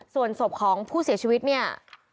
ส่วนศพของผู้เสียชีวิตเนี่ย